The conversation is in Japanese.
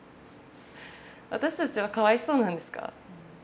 私たちはかわいそうなんですか？